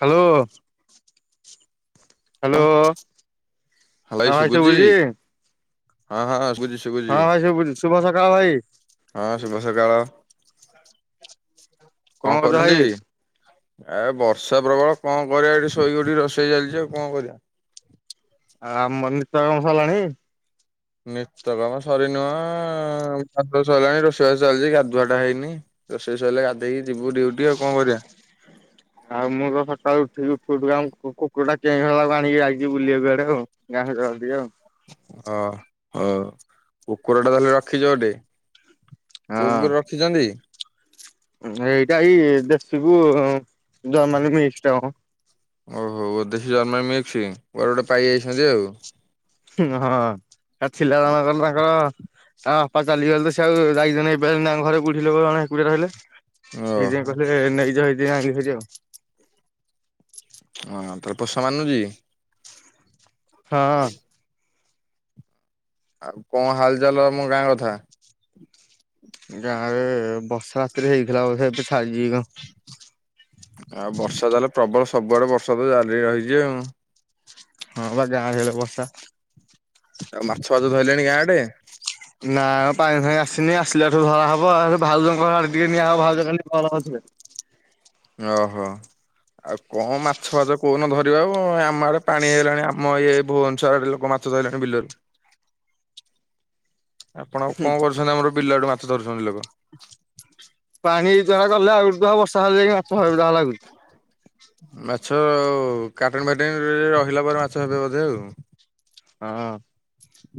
Hello hello. Hello ଭାଇ ସୁଭୁଛି ଜ ହଁ ହଁ ସୁଭୁଛି। ହଁ ଭାଇ ଶୁଭ ଶୁଭ ସକାଳ ଭାଇ। ହଁ ଶୁଭ ସକାଳ କଣ କରୁଛ ଭାଇ କରୁଛନ୍ତି? ଏ ବର୍ଷା ପ୍ରବଳ କଣ କରିବା ଏଠି ଶୋଇକଠି ରୋଷେଇ ଚାଲିଛି ଆଉ କଣ କରିବା? ଆଉ ଆମ ନିତ କର୍ମ ସରିଲାଣି? ନିିତ କର୍ମ ସରି ନୁହଁ ବାସଷ ସରିଲାଣି ରୋଷେଇବାସ ଚାଲିଛି ଗାଧୁଆ ଟା ହେଇନି। ରୋଷେଇ ସରିଲେ ଗାଧେଇକି ଯିବୁ ଡିଉଟି ଆଉ କଣ କରିବା? ଆଉ ମୁଁ ତ ସକାଳୁ ଉଠିକି ଉଠି ଉଠିକି ଆ କୁକୁର ଟା କେଇ ହେଲାକୁ ଆଣିକି ବୁଲିବାକୁୁ ଆଡେ ଆଉ ଗାଁରେ ଚଳନ୍ତି ଆଉ। ହଁ ହଉ କୁକୁର ଟା ତାହେଲେ ରଖିଛ ଗୋଟେ? କୁକୁର ହଁ ରଖିଛନ୍ତି? ଏଇଟା ଏଇ ଦେଶୀକୁୁ ଜର୍ମାନୀ ମିଟା ହ ଓହୋ ଦେଶୀ ଜର୍ମା ମିକ୍ସୋଆର ଗୋଟେ ପାଇ ଯାଇଛନ୍ତି ଆଉ ହଁ ଆ ଥିଲା ଜଣଙ୍କର ତାଙ୍କର ହଁ ବାପା ଚାଲିଗଲେ ତ ସେ ଆଉ ରାଇଜଣ ଘରେକୁ ଉଠିଲେଣକୁଡିଆ ରହିଲେ। ଓହୋ ସେଇଥିପାଇଁ ହଁ କହିଲେ ନେଇଯ ହେଇଯ ଆ ଆଉ ହଁ ତର ପୋଷା ମାନୁଛି? ହଁ। ଆଉ କଣ ହାଲଚାଲ ଆମ ଗାଁ କଥା? ଗାଁ ରେ ବର୍ଷା ରାତିରେ ହେଇଥିଲା ବୋଧେ ଏବେ ଛାଡ଼ିଛିକି ଆଉ ବର୍ଷା ତାହେଲେ ପ୍ରବଳ ସବୁଆଡେ ବର୍ଷା ତ ଜାରି ରହିଛି ଆଉ। ହଁ ବା ଗାଁ ଆଡେ ବର୍ଷା। ଆଉ ମାଛ ଫାଛ ଧଇଲେଣି ଗାଁ ଆଡେ? ନା ପାଣି ଫାଣି ଆସିନି ଆସିଲେ ଏଠୁ ଧରା ହବ ଆ ଭାଉଜଙ୍କ ଘର ଆଡେ ଟିକେ ନିଆ ହବ ଭାଉଜ କାଲି ଫୋନ୍ କରିଥିଲେ। ଓହୋ। ଆଉ କଣ ମାଛ ଫାଛ କହୁନ ଧରିବା ଆଉ ଆମ ଆଡେ ପାଣି ହେଇଲାଣି ଆମ ଏଇ ଭୁବନେଶ୍ଵର ଆରେ ଲୋକ ମାଛ ମାଛ ଧଇଲେଣି ବିଲରୁ। [inaudible] ଆପଣ କଣ କରୁଛନ୍ତି ଆମର ବିଲାଆଡେ ମାଛ ଧରୁଛନ୍ତି ଲୋକ। ପାଣି [unintelligible] ବର୍ଷା ହେଲେ ଯାଇ ମାଛ ହବେ ଯାହା ଲାଗୁଛି। ମାଛ ଆ କାଟଣ ଫାଟିନରେ ରହିଲା ପରେ ମାଛ ହେବେ ବୋଧେ ଆଉ ହଁ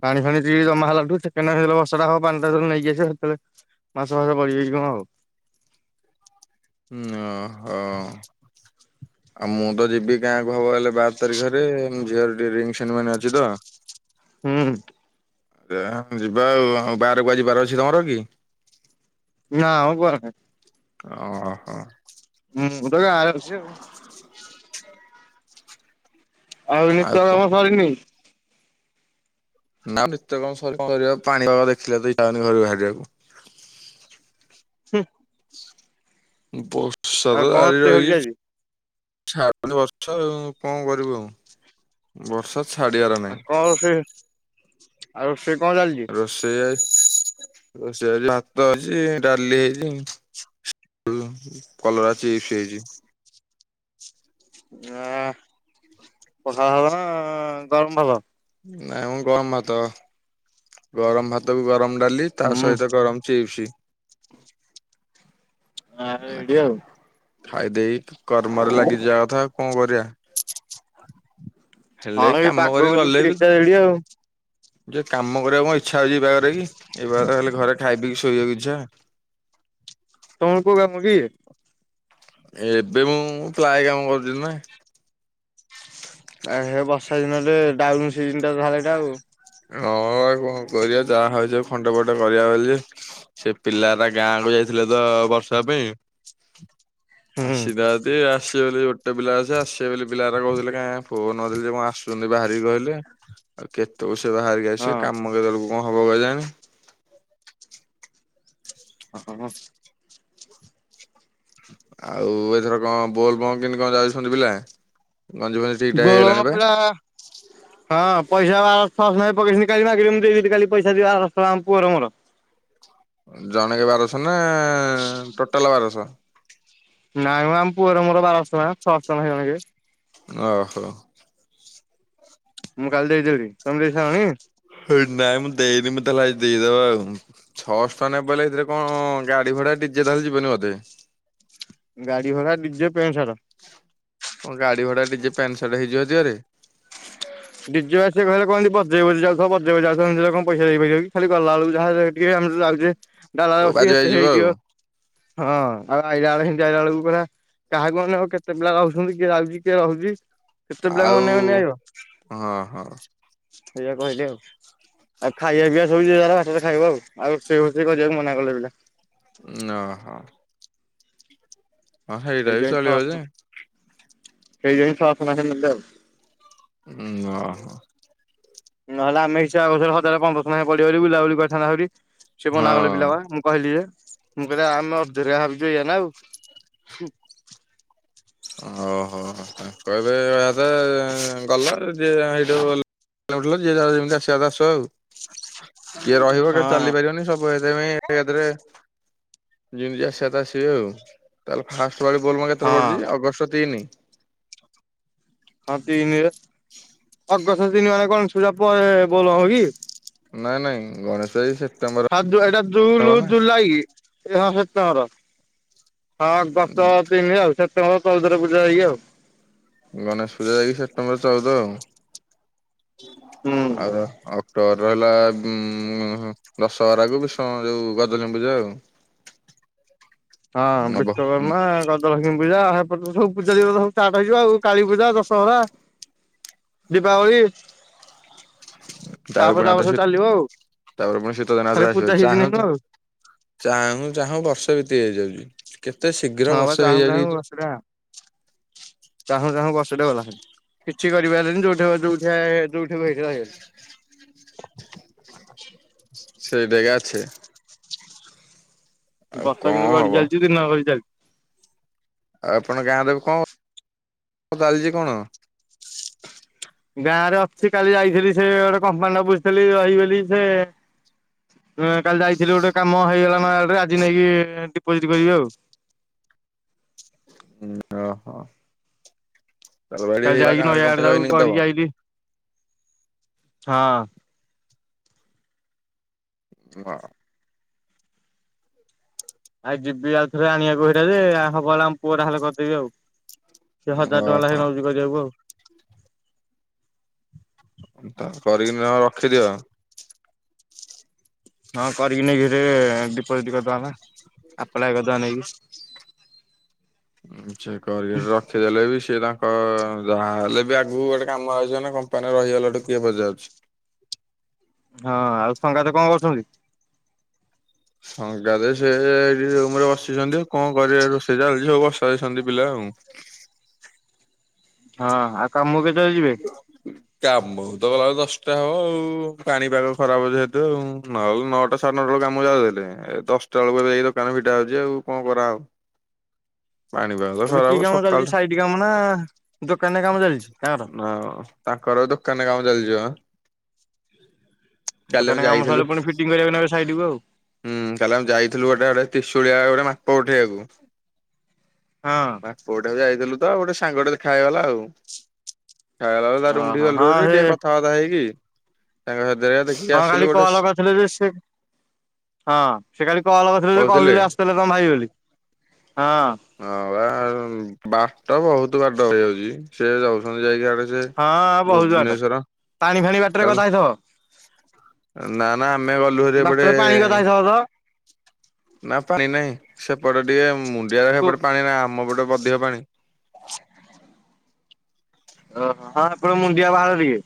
ପାଣି ଫାଣି ଟ ଜମା ହେଲାଠୁ ସେବେ ବଷା ଟା ହବ ପାଣି ଟା ନେଇକି ଆସିବ। ମାସ ଭାସ ବଡିିଯାଇଛି କଣ ଆଉ ହଁ ହଁ [inaudible] ଆଉ ମୁଁ ତ ଯିବି ଗାଁକୁ ହବ ହେଲେ ବାର ତାରିଖରେ ଝିଅର ଟିକେ ରିଙ୍ଗ ସେରିମନି ଅଛି ତ। ହୁଁ ଉଁ ଯିବା ଆଉ ବାହାରକୁ ଆ ଯିବାର ଅଛି ତମର କି? ନାଁ ଆଉ କ ଅ ହ ହୁଁ ମୁ ତ ଗାଁ ରେ ଅଛି ଆଉ ଆଉ ନିତ୍ୟ କାମ ସରିନି? ନାଁ ନିତ୍ୟ କର୍ମ ସରିବ କଣ କରିବ ପାଣିପାଗ ଦେଖିଲା ବେଳକୁ ଇଛା ହଉନି ଘରୁ ବାହାରିବାକୁ। ହୁଁ ବର୍ଷା ଆଉ ତ କଣ ଜାରି ରୋଷେଇ ହଉଛି ରହିଛି। ଆଜି? ଛାଡୁନି ବର୍ଷା ଆ କଣ କରିବୁ ଆଉ ବର୍ଷା ଛାଡି ଆଉ କଣ ସେ ଆଉ ରୋଷେଇ କଣ ଚାଲିଛି? ସେ ରୋଷେଇ ଆଜି ଭାତ ଅଛି ଡାଲି ହେଇଛି। କଲରା ଚିପ୍ସ ହେଇଛି। ଆ ପଖାଳ ଭଲ ନା ଗରମ ଭଲ? ନାଇଁ ମୁଁ ଗରମ ଭାତ, ଗରମ ଭାତ କୁ ଗରମ ଡାଲି। ତା ହୁଁ ସହିତ ଗରମ ଚିପ୍ସ। ଏଇଠି ଆଉ। ଖାଇଦେଇ କର୍ମରେ ଲାଗିଯିବା କଥା କଣ କରିବା? ହେଲେ ହଁ ଏଇ କାମ ପାଗକୁ କରିକି ତ ଗଲେ ତିରିଶ ବି ଟା ରେଡି ଆଉ ଯେ କାମ କରିବାକୁ କଣ ଇଛା ହଉଛି ଏ ପାଗରେ କି? ଏ ପାଗରେ ହେଲେ ଘରେ ଖାଇ ପିଇ ଶୋଇବାକୁ ଇଛା। ତମର କୋଉ କାମ କି? ଏବେ ମୁଁ ପ୍ଲାଏ କାମ କରୁଛି ନା। ଆ ବର୍ଷା ଦିନରେ ଡାଉନ୍ ସିଜିନ୍ ଟା ଧାରଟା ଆଉ ହଁଉ କଣ କରିବା ଯାହା ହଉଛି ଖଣ୍ଡ ଫଟ କରିବା ବୋଲି ସେ ପିଲା ଟା ଗାଁ କୁ ଯାଇଥିଲା ତ ବର୍ଷା ପାଇଁ ହୁଁ। ଆସିତାଦି ଆସି ବୋଲି ଗୋଟେ ପିଲା ଅଛି ଆସିବେ ବୋଲି ପିଲାର କହୁଥିଲେ କାଁ ଫୋନ କରିଥିଲି ସେ ଆସୁଛନ୍ତି ବାହାରିକି କହିଲେ ତ ସେ ବାହାରିକି ଆସି ହଁ କାମ କେତେବେଳକୁ କଣ ହେବ କେଜାଣି? ଓ ହୋ ଆଉ ଏଥର କଣ ବୋଲବମ୍ କିମିତି କଣ ଯାଉଛନ୍ତି ପିଲା, ଗଞ୍ଜେଇ ବୋଲବମ ପିଲା ହଁ ପଇସା ବାରଶହ ପକେଇଥିଲି କାଲି ମୁ ଦେଇ କାଲି ପଇସା ଦିଜଣଙ୍କ ପୁଅ ର ମୋର ଜଣେକେ ବାରଶ ନା ଟୋଟାଲ ବାରଶ? ନାଇଁ ମ ଆମ ପୁଅର ମୋର ବାରଶହ ଟଙ୍କା ଛଅଶ ଟଙ୍କା ଜଣଙ୍କେ। ଓହୋ। ମୁଁ କାଲି ଦେଇଦେଲି ତମେ ଦେଇସାଇଲଣି? ନାଇଁ ମୁଁ ଦେଇନି ମଁ ତାହେଲେ ଆଜି ଦେଇଦବା ଆଉ। ଛଅଶହ ଟଆଁ ନା ପଡ଼ିଲେ ସେଥିରେ କଣ ଗାଡି ଭଡା ଡିଜେ ତାହଲେ ଯିବନି ବୋଧେ ଗାଡି ଭଡା ଡିଜେ ପ୍ୟାଣ୍ଟ ସାର୍ଟ। କଣ ଗାଡ଼ି ଭଡ଼ା ଟିକେ ପ୍ୟାଣ୍ଟ ସାର୍ଟ ହେଇଯିବ ଏତିକ ରେ। ଡିଜେ ଆସି କହେ କହନ୍ତି ବଜେଇ ବଜେଇ ଯାଉଥିବ ବଜେଇ ଆଉଥିବ ଯାଉଲେ କଣ ପଇସା ଦେଇ ଖଲି ଗଲା ବେଳକୁ ଓ ବାଜି ବାଜି ଯିବ ଯାହା। ଆଉ। [unintelligible] ହଁ ଆଉ ଆଇଲା ବେଳେ ସେମିତି ଆଇଲା ବେଳକୁ ପୁରା କାହାକୁ ମାନେ ଆଉ କେତେ ପିଲା ରହୁଛନ୍ତି କିଏ ଯାଉଛି କିଏ ରହୁଛି? କେତେ ପିଲାଙ୍କୁ ଅନେଇ ଅନେଇ ଆଉ ଆଇବ ହଁ ହଁ। ସେଇଆ କହିଲି ଆଉ। ଆଉ ଖାଇବା ପିଇବା ଶୋଇଚି ତାର ବାଟରେ ଖାଇବ ଆଉ ଆଉ ସେ କରିବାକୁ ମନା କଲେ ପିଲା। ନହୋ। ସେଇ ବି ଜାଇ ଚଳିବ ଯେ ଶସ ସେଇ ଜାଇ ଶହସନା ହେ ନଲେ ଆଉ। ଉଁ ଓ ହୋ। ନହେଲେ ଆମେ ଇଚ୍ଛା ଆଗ ହଜାରେ ପନ୍ଦରଶ ଟେ ପଡିବ ବୋଲି ବୁଲା ବୁଲି କରିଥାନ୍ତୁ ଆହୁରି। ସେ ମନା କଲେ ପିଲା ହଁ ବା ମୁଁ କହିଲି ଯେ। ମୁଁ କହିଲ ଆମେ ଅଧୁର ଭାବିକିଇଆ ନା ଆଉ। [inaudible] ଓ ହୋ ଓ କହିବେ ଏହାଦେ ଯେ ଗଲ ଯେ ହେଇଠୁ ଗ ଯେ ଯେମିତି ଆସିବା କଥା ଆସିବେ ଆଉ। କିଏ ରହିବ କି ହଁ। ଚାଲିପାରିବନି ସଵ। [unintelligible] ତାହେଲେ ଫାଷ୍ଟ ଭ ବୋଲ କେତେ ହଁ ପଡୁଛି? ଅଗଷ୍ଟ ତିନି। ହଁ ତିନିରେ ଅଗଷ୍ଟ ତିନି ମାନେ କଣ ଚ୍ଛୁରା ପଳେଇବେ ବୋଲବମ୍ କି? ନାଇଁ ନାଇଁ ଗଣେଷ ପୂଜା ସେ ହଁ ତ ଏଇଟା ଜୁଲ ଜୁଲାଇ ଏ ହଁ ସେପ୍ଟେମ୍ବର। ହଁ ଦଶ ତିନି ଆଉ ସେପ୍ଟେମ୍ବର ଚଉଦରେ ପୂଜା ଯାଇକି ଆଉ। ଗଣେଶ ପୂଜା ଯାଇକି ସେପ୍ଟେମ୍ବର ଚଉଦ ଆଉ ଆଉ ଅ ତୋର ରହିଲା ଉଁ ଉଁ ଦଶହରାକୁ ବିଶ୍ୱକର୍ମା ଯୋଉ ଗଜଲକ୍ଷ୍ମୀ ପୂଜା ଆଉ। ହଁ ନବ ହୁଁ ବିଶ୍ୱକର୍ମା ଗ ଲକ୍ଷ୍ମୀ ପୂଜା ହେପଟକୁ ସବୁ ପୂଜା ସବୁ ଷ୍ଟାର୍ଟ ହେଇିଯିବ ଆଉ କାଳୀ ପୂଜା ଦଶହରା। ଦୀପାବଳି। ତାପରେ ପୁଣି ଆଉ ଥରେ ସବୁ ଶି ଚାଲିବ ଆଉ ତାପରେ ପୁଣି ଶୀତ ଦିନ ଖାଲି ଆହୁରି ଆସିବ ପୂଜା ସିଜିନ ଚାହୁଁ ଏଇନୁ ଚା ଆଉ ଚାହୁଁ ଚାହୁଁ ବର୍ଷେ ବିତି ହେଇଯାଉଛି କେତେ ଶୀଘ୍ର ହଁ ବା ବର୍ଷେ ଚାହୁଁ ଚାହୁଁ ହେଇଯାଉଛି। ବର୍ଷଟା ଚାହୁଁ ଚାହୁଁ ବର୍ଷ ଟେ ଗଲା ହେରି। କିଛି କରିପାରିଲିନି ଯୋଉଠ ଯୋଉଠା ଯୋଉଠି ଏଇ ରହିଗଲି। ସେଇଠି ଏକା ଅଛି। ଆଉ ବର୍ଷ କଣ କିନ୍ତୁ ଗଢି ହବ। ଚାଲିଛି ଦିନ ଗଡି ଚାଲ ଆଉ ଆପଣଙ୍କ ଗାଁରେ କଣ ଚାଲିଛି କଣ? ଗାଁ ରେ ଅଛି କାଲି ଯାଇଥିଲି ସେ ଗୋଟେ କମ୍ପାନି ବୁଝଥିଲି ରହି ବୋଲି ସେ ହଁ କାଲି ଯାଇଥିଲି ଗୋଟେ କାମ ହେଇଗଲା ନୟାଗଡ଼ରେ ଆଜି ନେଇକି ଡିପୋଜିଟ କରିବି ଆଉ। ଓହୋ। ତାଲବାଡି କାଲି ହେଇଗଲା ଯାଇକି ଗାଁ ନୟାଗଡରେ କମ୍ପାନୀ ତାକୁ ଜଏନିଂ କରିଦବ। କରିକି ଆଇଲିି ହଁ। ହଁ। ଆଉ ଯିବି ଆଉ ଥରେ ଆଣିବାକୁ ହେଇଟା ଯେ ହବ ଏଲେ ଆମ ପୁଅଟା ହେଲେ କରିଦେବି ଆଉ। ସେ ହଜାର ଟଙ୍କା ଲାଖେ ନେଉଛି କରିବାକୁ ଆଉ। ତ କରିକି ନ ହେଲେ ରଖି ଦିଅ। ହଁ କରିକି ନେଇକି ଦେ ଡିପୋଜିଟ କରିଦବା ଆମେ ଆପ୍ଲାଏ କରିଦବା ନେଇକି। ଆଚ୍ଛା କରି ରଖ। ସେ ଦେଲେ ବି ସିଏ ତାଙ୍କ ଯାହାହେଲେ ବି ଆଗକୁ ଗୋଟେ କାମ ଆଇଛି ନା କମ୍ପାନୀରେ ରହିଗଲାଠୁ କିଏ ପଚାରୁଛି? ହଁ ଆଉ ସଙ୍ଗାତ କଣ କରୁଛନ୍ତି? ସଙ୍ଗାତ ସେ ସେଠି ରୁମ ରେ ବସିଛନ୍ତି। କଣ କରିବା ରୋଷେଇ ଚାଲିଛି ସବୁ ବସେଇଛନ୍ତି ପିଲା ଆଉ। ହଁ ଆଉ କାମ ମୁଁ କାମକୁ ତ ଗଲାବେଳକୁ ଦଶଟା ହବ ଆଉ। ପାଣିପାଗ ଖରାପ ଯେହେତୁ ଆଉ। ଆଉ ନଅଟା ସାଢ଼େ ନଅଟା ବେଳକୁ କାମକୁ ଯାଉଥିଲି, ଏ ଦଶଟା ବେଳକୁ ଯାଇ ଦୋକାନ ଫିଟା ହଉଛି ଆଉ, କଣ କରା ହବ। ପାଣିିବାଉ ଏବେ କି କାମ ଚାଲିଛି, ସାଇଟ କାମ ନା ଦୋକାନରେ କାମ ଚାଲିଛି ତାଙ୍କର? ହଁ ଆଉ ତାଙ୍କର ଦୋକାନରେ କାମ ଚାଲିଛି ମ। ଆମେ ଦୋକାନରେ କାମ ଯାଇଥିଲୁ ସରିଲେ ପୁଣି ଫିଟିଙ୍ଗ କରିବାକୁ ନେବେ ସାଇଟକୁ ଆଉ। ହୁଁ, କାଲି ଆମେ ଯାଇଥିଲୁ ଗୋଟେ ଆଡେ ତ୍ରିଶୂଳିଆ ଆଡ଼େ ଗୋଟେ ମାପ ଉଠେଇବାକୁ ହଁ। ମାପ ଉଠେଇବାକୁ ଯାଇଥିଲୁ ତ ଗୋଟେ ସାଙ୍ଗଟେ ଦେଖା ହେଇଗଲା ଆଉ। ଦେଖାହେଇଗଲା ବୋଲି ତା ରୁମଠିକୁ ଓହୋ ଗଲୁ ହଁ ହେରି ସେ ଟିକେ କଥାବାର୍ତ୍ତା ହେଇକି, ସାଙ୍ଗସାଥି ହେରିକା ଦେଖା ହଁ ଖାଲି କଲ୍ କରିଥିଲୁ ଯେ ସେ ହଁ ସେ କାଲି କଲ୍ କରିଥିଲେ ଯେ କହୁଥିଲେ ଆସିଥିଲେ ତମ ଭାଇ ବୋଲି। ହଁ। ହଁ ବା, ବାଟ ବହୁତ ବାଟ ହେଇଯାଉଛି। ସେ ଯାଉଛନ୍ତି ଯାଇକି ଆଡେ ଡେରେ ହଁ ବହୁତ ବାଟ। ଭୁବନେଶ୍ୱର ପାଣି ଫାଣି ବାଟରେ ଗଦା ହେଇଥିବ [unintelligible] ନାଁ ନାଁ, ଆମେ ଗଲୁ ଭାରି ଏପଟେ ପୁରା ପାଣି ଗଦା ହେଇଥବ ତ? ନା ପାଣି ନାହିଁ। ସେପଟେ ଟିକେ ମୁଣ୍ଡିଆ ଗୁରା କୁ ସେପଟେ ପାଣି ନା ଆମ ପଟେ ଅଧିକ ପାଣି? ଓ ହଁ ଆପଣ ମୁଣ୍ଡିଆ ବାହାଳ ଟିକେ,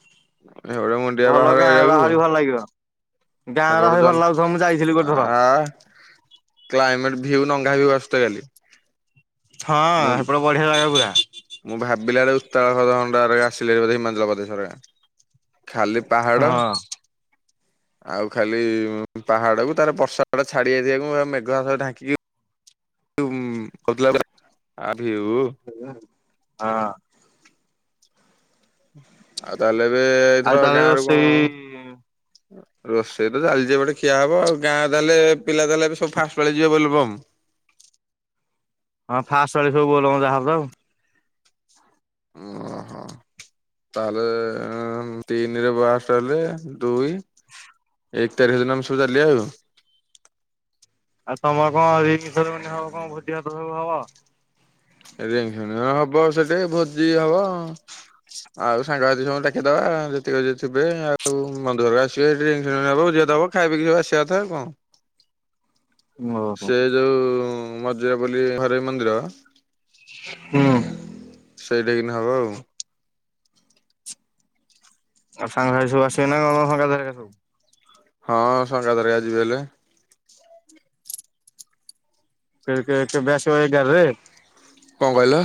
ସେପଟେ ମୁଣ୍ଡିଆ ଭଲ ବାହାର ଗାଁ ଏରିଆକୁ ବାହରି ଭଲ ଲାଗିବ। ଗାଁ ଗୁରା ସେପଟେ ଭାରି ଜନ ଭଲ ଲାଗୁଥିବ ମୁଁ ଯାଇଥିଲି ଗୋଟେ ଥର। ଆ କ୍ଲାଇମେଟ୍ ଭିଉ ନଙ୍ଘା ବି [unintelligible] କାଲି। ହଁ, ମୁଁ ସେପଟେ ବଢ଼ିଆ ଜାଗା ପୁରା। ମୁଁ ଭାବିଲା ବେଳକୁ [unintelligible] ଆସିଲେ ବୋଧେ ହିମାଚଳ ପ୍ରଦେଶ ଗୁରା। ଖାଲି ହଁ ପାହାଡ଼ ଆଉ ଖାଲି ପାହାଡକୁ ତାର ବର୍ଷା [unintelligible] ଛାଡି ଆସିବାକୁ ଆଉ ମେଘୁଆ ପାଗ ଢାଙ୍କିକି [unintelligible] ହଁ। ଆଉ ତାହେଲେ ଏବେ ଏଇଥର ଗାଁରୁ କଣ ହୁଁ। ରୋଷେଇ ତ ଚାଲିଚି ଏପଟେ ଖିଆ ହବ ଆଉ। ଗାଁ ତାହେଲେ ପିଲା ତାହେଲେ ଏବେ ସବୁ ଫାଷ୍ଟ ପାଳି ଯିବେ ବୋଲବମ୍? ହଁ ଫାଷ୍ଟ ପାଳି ସବୁ ଭଲ ମଜା ହବ ଆଉ। ଓହୋ ତାହେଲେ ଏଁ ତିନିରେ [unintelligible] ହେଲେ ଦୁଇ ଏକ ତାରିଖ ଦିନ ଆମେ ସବୁ ଚାଲିଆ ଆଉ। ଆଉ ତମର କଣ ରିଙ୍ଗ ସେରିମନି ହବ କଣ ଭୋଜି ଭାତ‌ ସବୁ ହବ? ଏ ରିଙ୍ଗ ସେରିମନି ହବ ସେଠି ଭୋଜି ହବ। ଆଉ ସାଙ୍ଗସାଥି ସମସ୍ତଙ୍କୁ ଡାକିଦବା, ଯେତିକ ଯିଏ ଥିବେ ଆଉ ବନ୍ଧୁ ହେରିକା ଆସିବେ ରିଙ୍ଗ ସେରିମନି ହବ, ଭୋଜି ଭାତ ହବ ଖାଇ ପିଇକି ସବୁ ଆସିଆ କଥା ଆଉ କଣ? ଓହୋ। ସେ ଯୋଉ ମଜୁଆ ବୋଲି ଘରୋଇ ମନ୍ଦିର ହୁଁ। ସେଇଟିକିନା ହବ ଆଉ। ଆଉ ସାଙ୍ଗସାଥି ସବୁ ଆସିବେ ନାଁ କଣ [unintelligible] ହଁ ସଙ୍ଗାତ ହେରିକା ଯିବେ ଏଇଲେ। କେ-କେ-କେବେ ଆସିବ ଏଗାରରେ? କଣ କହିଲ?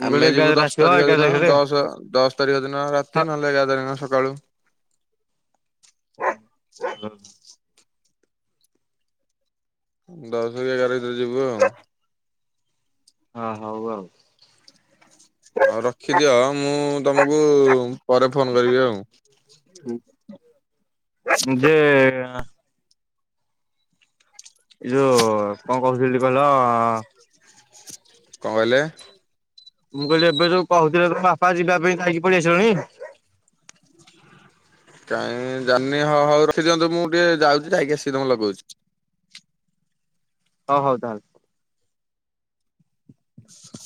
ମୁଁ କହିଲି ଆମେ ଯିବୁ ଏଗାରରେ ଦଶ ଆସିବ ତାରିଖ ଏଗାର ଦିନ, ତାରିଖରେ। ଦଶ ଦଶ ଦଶ ତାରିଖ ଦିନ ରାତି, ନହେଲେ ଏଗାର ତାରିଖ ଦିନ ସକାଳୁ। [unintelligible] ଦଶ କି ଏଗାର ଭିତରେ ଯିବୁ ଆଉ। ହଁ ହଉ ଆଉ। ହଉ ରଖିଦିଅ ମୁଁ ତମକୁ ପରେ ଫୋନ କରିବି ଆଉ। ଉଁ ଦେ ଏଇ ଯୋଉ କଣ କହୁଥିଲି କହିଲ? କଣ କହିଲେ? ମୁଁ କହିଲି ଏବେ ଯୋଉ କହୁଥିଲେ ତୋ ବାପା ଯିବା ପାଇଁ ଖାଇକି ପଳେଇ ଆସିବା ପାଇଁ? [inaudible] କାଇହିଁ ଜାଣିନି ହଁ ହଉ ରଖିଦିଅନ୍ତ ମୁଁ ଟିକେ ଯାଉଛି ଖାଇକି ଆସି ତମକୁ ଲଗଉଚି। ହଉ ହଉ ତାହେଲେ। [inaudible]